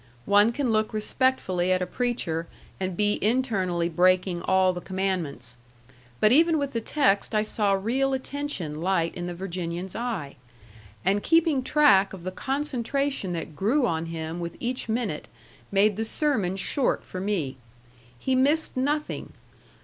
One can look respectfully at a preacher and be internally breaking all the commandments. But even with the text I saw real attention light in the Virginian's eye. And keeping track of the concentration that grew on him with each minute made the sermon short for me. He missed nothing.